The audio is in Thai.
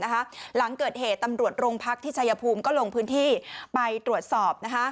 หลังเกิดเหตุตำรวจโรงพักที่ชายภูมิก็ลงพื้นที่ไปตรวจสอบ